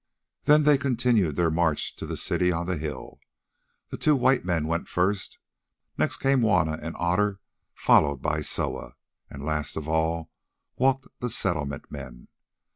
Then they continued their march towards the city on the hill. The two white men went first, next came Juanna and Otter followed by Soa, and last of all walked the Settlement men.